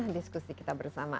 diskusi kita bersama